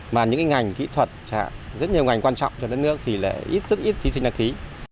mà những ngành kỹ thuật rất nhiều ngành quan trọng cho đất nước thì rất ít thí sinh đặc khí